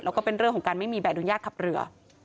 แล้วก็เป็นเรื่องของการไม่มีใบอนุญาตขับเรือ